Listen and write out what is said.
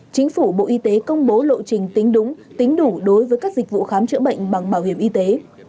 chính phủ bộ y tế công bố lộ trình tính đúng tính đủ đối với các dịch vụ khám chữa bệnh bằng bảo hiểm y tế